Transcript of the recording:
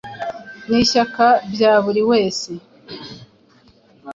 n’ishyaka bya buri wese.